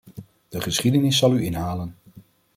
De geschiedenis zal u inhalen.